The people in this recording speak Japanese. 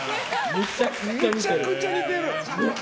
めちゃくちゃ似てる！